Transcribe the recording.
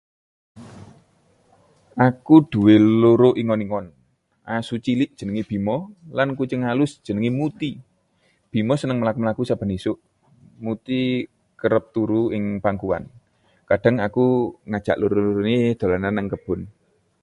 Aku nduwé loro ingon-ingon: asu cilik jenenge Bimo lan kucing alus jenenge Muti. Bimo seneng mlaku-mlaku saben esuk, Muti kerep turu ing pangkuan. Kadhang aku ngajak loro-lorone dolanan nang kebon.